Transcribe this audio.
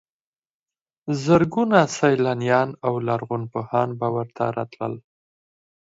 زرګونه سیلانیان او لرغونپوهان به ورته راتلل.